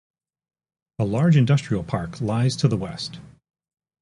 A large industrial park lies to the west.